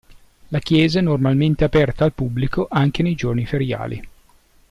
La chiesa è normalmente aperta al pubblico anche nei giorni feriali.